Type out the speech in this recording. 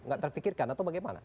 gak terpikirkan atau bagaimana